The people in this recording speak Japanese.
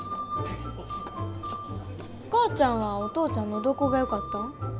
お母ちゃんはお父ちゃんのどこがよかったん？